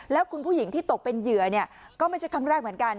แล้วคุณผู้หญิงที่ตกเป็นเหยื่อก็ไม่ใช่ครั้งแรกเหมือนกัน